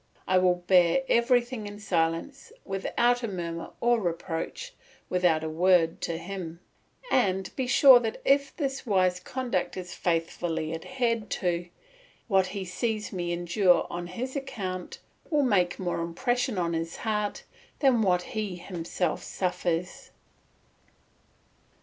I will bear everything in silence, without a murmur or reproach, without a word to him, and be sure that if this wise conduct is faithfully adhered to, what he sees me endure on his account will make more impression on his heart than what he himself suffers.